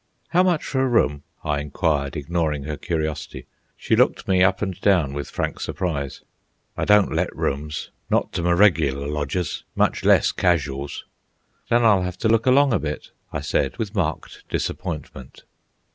"How much for a room?" I inquired, ignoring her curiosity. She looked me up and down with frank surprise. "I don't let rooms, not to my reg'lar lodgers, much less casuals." "Then I'll have to look along a bit," I said, with marked disappointment.